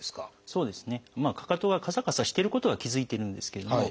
そうですね。